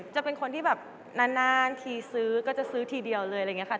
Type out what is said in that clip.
จะเป็นคนที่แบบนานทีซื้อก็จะซื้อทีเดียวเลยอะไรอย่างนี้ค่ะ